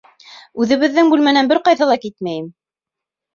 Үҙебеҙҙең бүлмәнән бер ҡайҙа ла китмәйем!